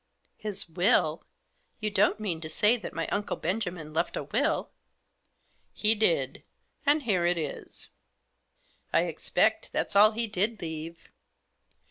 " His will I You don't mean to say that my uncle Benjamin left a will ?"" He did ; and here it is." " I expect that that's all he did leave."